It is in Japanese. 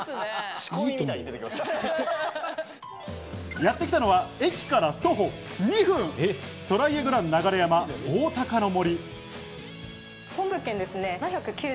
やってきたのは駅から徒歩２分、ソライエグラン流山おおたかの森。